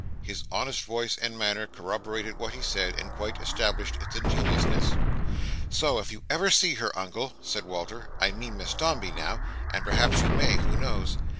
His honest voice and manner corroborated what he said, and quite established its ingenuousness. "So, if you ever see her, Uncle," said Walter, "I mean Miss Dombey now—and perhaps you may, who knows!